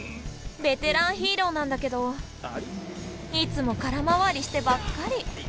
ベテランヒーローなんだけどいつも空回りしてばっかり。